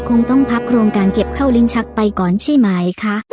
คงต้องพักโครงการเก็บเข้าลิ้นชักไปก่อนใช่ไหมคะ